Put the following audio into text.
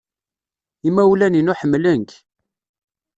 Imawlan-inu ḥemmlen-k.